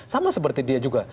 sama seperti dia juga